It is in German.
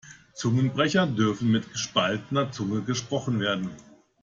Zungenbrecher dürfen mit gespaltener Zunge gesprochen werden.